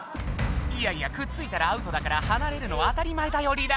いやいやくっついたらアウトだからはなれるのは当たり前だよリラ。